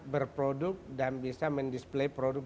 berproduk dan bisa men display produk